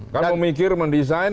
kalau memikir mendesain